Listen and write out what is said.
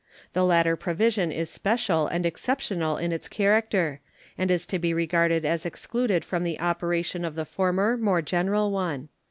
The latter provision is special and exceptional in its character, and is to be regarded as excluded from the operation of the former more general one.